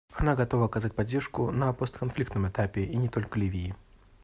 Она готова оказать поддержку на постконфликтном этапе, и не только Ливии.